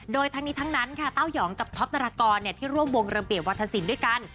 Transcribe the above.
โดยทั้งนี้ทั้งนั้นค่ะเต้ายองกับท็อปนารากรที่ร่วมวงระเบียบวัฒนศิลป์ด้วยกัน